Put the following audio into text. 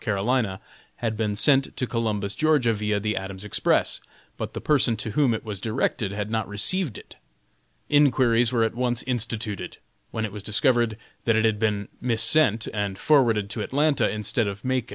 C., had been sent to Columbus, Ga., via the Adams Express, but the person to whom it was directed had not received it. Inquiries were at once instituted, when it was discovered that it had been missent, and forwarded to Atlanta, instead of Macon.